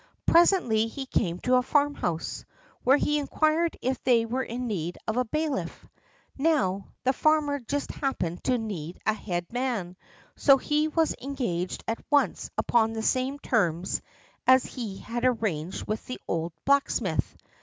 Presently he came to a farmhouse, where he inquired if they were in need of a bailiff. Now, the farmer just happened to need a head man, so he was engaged at once upon the same terms as he had arranged with the old blacksmith.